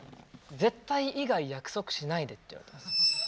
「絶対以外約束しないで」って言われたんですよ。